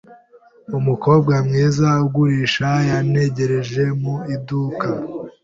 Umukobwa mwiza ugurisha yantegereje mu iduka.